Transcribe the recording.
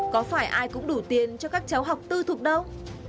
có phải ai cũng đủ tiền cho các cháu học tư thục đâu